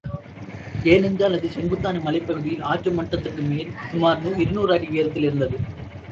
எனென்றால், அது செங்குத்தான மலைப்பகுதியில் ஆற்றுமட்டத்திற்குமேல் சுமார் இரு நூறு அடி உயரத்திலிருந்தது.